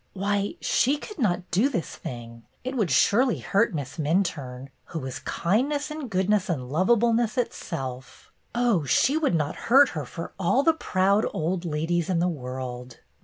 Why, she could not do this thing ! It would surely hurt Miss Minturne, who was kindness and goodness and lovableness itself. Oh, she would not hurt her for all the proud old ladies in the world.